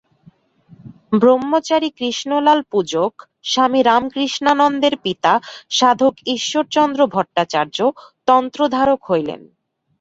ব্রহ্মচারী কৃষ্ণলাল পূজক, স্বামী রামকৃষ্ণানন্দের পিতা সাধক ঈশ্বরচন্দ্র ভট্টাচার্য তন্ত্রধারক হইলেন।